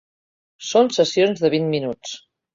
Són sessions de vint minuts.